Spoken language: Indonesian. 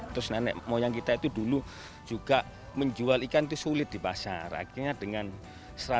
terus nenek moyang kita itu dulu juga menjual ikan itu sulit di pasar akhirnya dengan seratus